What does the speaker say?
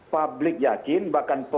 publik yakin bahkan